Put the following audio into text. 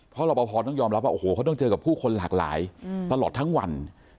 เพราะรอปภต้องยอมรับว่าโอ้โหเขาต้องเจอกับผู้คนหลากหลายตลอดทั้งวัน